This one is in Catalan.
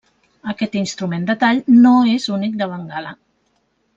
Aquest instrument de tall no és únic de Bengala.